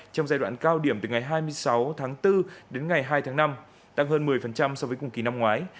trong giai đoạn cao điểm từ ngày hai mươi sáu tháng bốn đến ngày hai tháng năm tăng hơn một mươi so với cùng kỳ năm ngoái